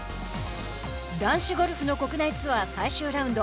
男子ゴルフの国内ツアー最終ラウンド。